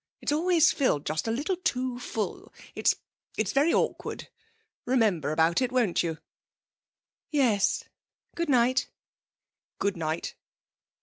It's always filled just a little too full. It's it's very awkward.... Remember about it, won't you?' 'Yes. Good night.' 'Good night.'